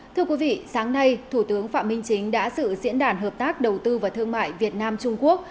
thưa quý vị sáng nay thủ tướng phạm minh chính đã sự diễn đàn hợp tác đầu tư và thương mại việt nam trung quốc